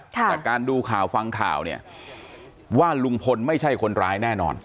แต่การดูข่าวฟังข่าวเนี่ยว่าลุงพลไม่ใช่คนร้ายแน่นอน